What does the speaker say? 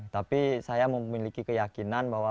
tapi saya memiliki keyakinan bahwa